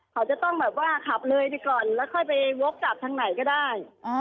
เขาจะต้องแบบว่าขับเลยดีกว่าแล้วค่อยไปวกกลับทางไหนก็ได้